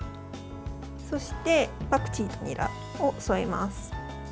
そしてパクチーとニラを添えます。